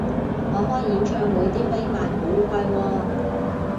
我開演唱會啲飛賣好貴喎